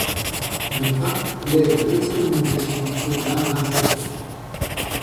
Le pape lève l'excommunication et blâme l’archevêque.